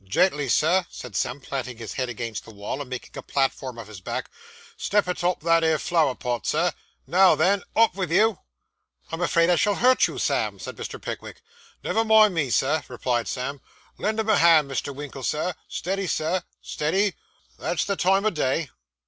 'Gently, Sir,' said Sam, planting his head against the wall, and making a platform of his back. 'Step atop o' that 'ere flower pot, Sir. Now then, up vith you.' 'I'm afraid I shall hurt you, Sam,' said Mr. Pickwick. 'Never mind me, Sir,' replied Sam. 'Lend him a hand, Mr. Winkle, sir. Steady, sir, steady! That's the time o' day!